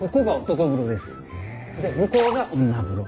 で向こうが女風呂。